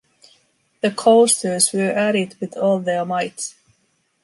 The coasters were at it with all their might.